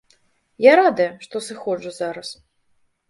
Я радая, што сыходжу зараз.